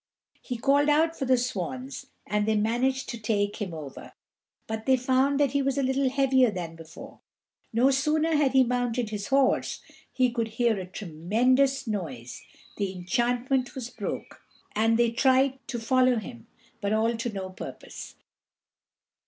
He called out for the swans, and they managed to take him over; but they found that he was a little heavier than before. No sooner than he had mounted his horse he could hear a tremendous noise, the enchantment was broke, and they tried to follow him, but all to no purpose.